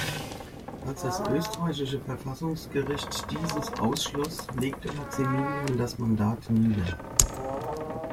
Als das österreichische Verfassungsgericht dieses ausschloss, legte Maximilian das Mandat nieder.